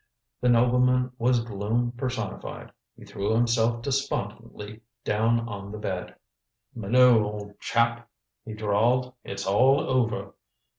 The nobleman was gloom personified. He threw himself despondently down on the bed. "Minot, old chap," he drawled, "it's all over."